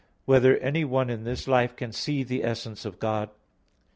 11] Whether Anyone in This Life Can See the Essence of God?